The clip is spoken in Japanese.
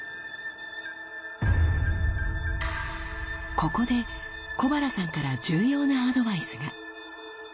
ここで小原さんから重要なアドバイスが。